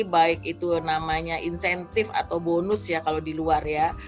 baik itu namanya insentif atau bonus ya kalau di luar ya